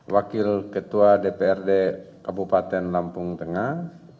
wakil ketua dprd kabupaten lampung tengah